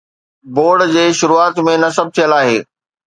board جي شروعات ۾ نصب ٿيل آهي